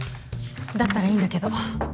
だったらいいんだけど。